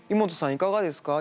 いかがですか？